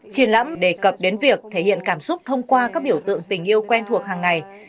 triển lãm đề cập đến việc thể hiện cảm xúc thông qua các biểu tượng tình yêu quen thuộc hàng ngày